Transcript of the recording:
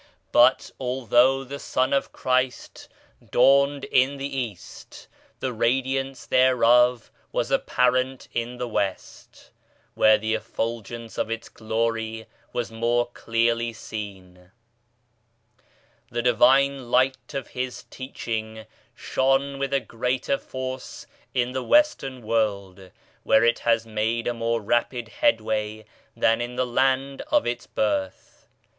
But although the Sun of Christ dawned in the East the Radiance thereof was apparent in the West, where the effulgence of its Glory was more clearly seen. The Divine Light of His Teaching shone with a greater force in the Western World, where it has made a more rapid headway than in the land of its birth.